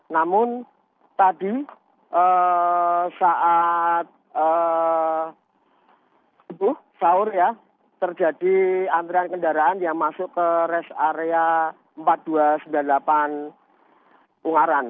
namun tadi saat sahur ya terjadi antrian kendaraan yang masuk ke rest area empat ribu dua ratus sembilan puluh delapan ungaran